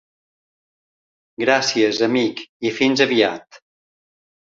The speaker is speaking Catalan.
Gràcies amic i fins aviat.